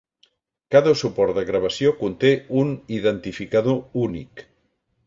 Cada suport de gravació conté un identificador únic.